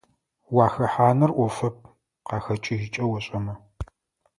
Уахэхьаныр Iофэп къахэкIыжьыкIэ ошIэмэ.